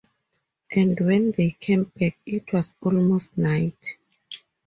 And when they came back it was almost night.